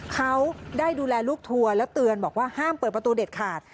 เขาได้ดูแลลูกทัวร์แล้วเตือนบอกว่าห้ามเปิดประตูเด็ดขาด